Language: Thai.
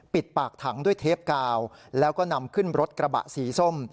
ปากถังด้วยเทปกาวแล้วก็นำขึ้นรถกระบะสีส้ม